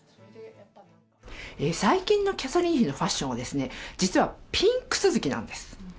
最近のキャサリン妃のファッションは、実はピンク続きなんです。